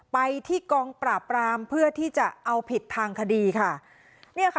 ไปที่กองปราบรามเพื่อที่จะเอาผิดทางคดีค่ะเนี่ยค่ะ